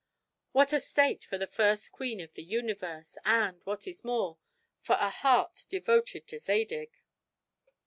What a state for the first queen of the universe, and, what is more, for a heart devoted to Zadig!"